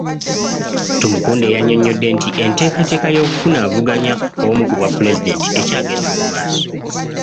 Tumukunde yannyonnyodde nti enteekateeka y'okufuna avuganya omu ku bwapulezidenti ekyagenda mu maaso.